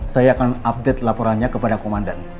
saya akan update laporannya kepada komandan